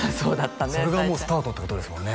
小恵ちゃんそれがもうスタートってことですもんね